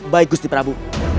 baik gusti prabu